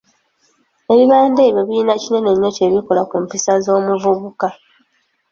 Ebibanda ebyo birina kinene nnyo kyebikola ku mpisa z'omuvubuka.